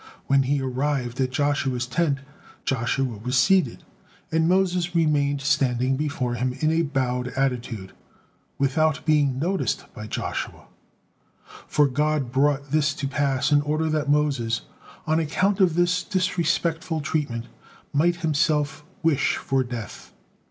When he arrived at Joshua's tent, Joshua was seated, and Moses remained standing before him in a bowed attitude without being noticed by Joshua. For God brought this to pass in order that Moses, on account of this disrespectful treatment, might himself wish for death.